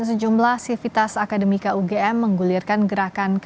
kemarin sejumlah sirvitas akademika ugm menggulirkan gerakan kamar masyarakat